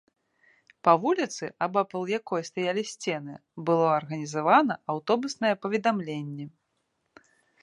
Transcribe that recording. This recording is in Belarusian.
Па вуліцы, абапал якой стаялі сцены, было арганізавана аўтобуснае паведамленне.